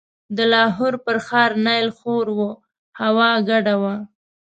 د لاهور پر ښار نایل خور و، هوا ګډه وه.